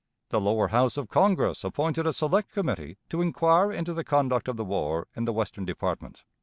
The Lower House of Congress appointed a select committee to inquire into the conduct of the war in the Western Department.